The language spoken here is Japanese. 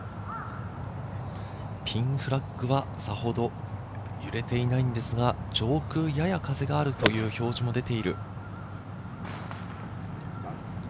ピンフラッグはさほど揺れていないんですが、上空、やや風があるという表示も出ている。